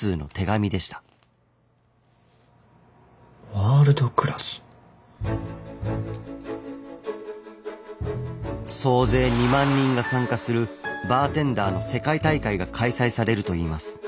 ワールドクラス。総勢２万人が参加するバーテンダーの世界大会が開催されるといいます。